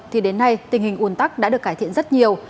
thì đến nay tình hình ồn tắc đã được cải thiện rất nhiều